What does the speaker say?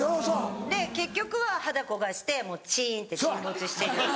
で結局は肌焦がしてチンって沈没して。